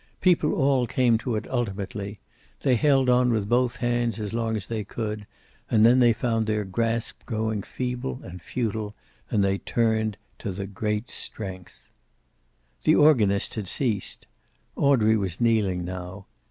People all came to it ultimately. They held on with both hands as long as they could, and then they found their grasp growing feeble and futile, and they turned to the Great Strength. The organist had ceased. Audrey was kneeling now.